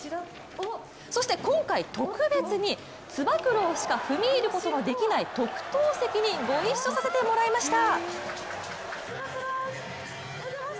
そして今回、特別につば九郎しか踏み入ることができない特等席にご一緒させてもらいました。